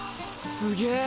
すげえ！